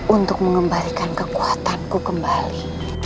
untuk mengembalikan kekuatanku kembali